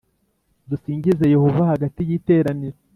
Dusingize Yehova hagati y iteraniro